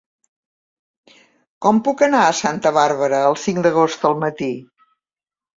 Com puc anar a Santa Bàrbara el cinc d'agost al matí?